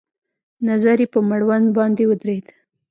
نظر يې په مړوند باندې ودرېد.